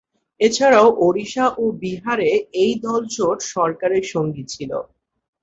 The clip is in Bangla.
এছাড়াও ওড়িশা ও বিহারে এই দল জোট সরকারের সঙ্গী ছিল।